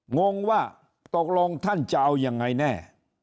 งงว่าตกลงท่านจะเอายังไงแน่